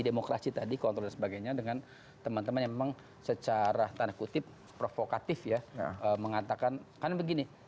demokrasi tadi kontrol dan sebagainya dengan teman teman yang memang secara tanda kutip provokatif ya mengatakan kan begini